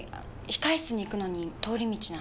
控え室に行くのに通り道なので。